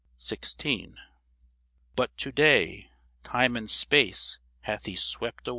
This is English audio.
XVI. But to day Time and space hath he swept away